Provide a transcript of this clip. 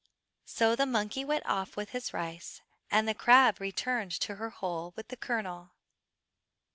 So the monkey went off with his rice, and the crab returned to her hole with the kernel.